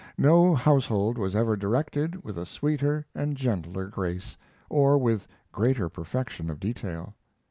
No household was ever directed with a sweeter and gentler grace, or with greater perfection of detail.